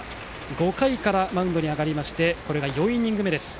５回からマウンドに上がってこれが４イニング目です。